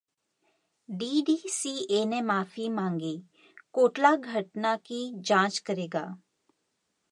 DDCA ने माफी मांगी, कोटला घटना की जांच करेगा